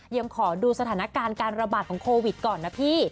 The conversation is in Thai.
ยังขอดูสถานการณ์การระบาดของโควิดก่อนนะพี่